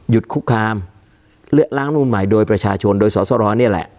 หยุดคุกคามเรื่องล้างนูนใหม่โดยสรสโระเนี่ยแหละ